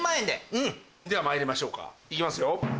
ではまいりましょうか行きますよ。